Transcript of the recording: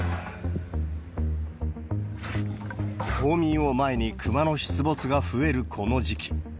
冬眠を前に、クマの出没が増えるこの時期。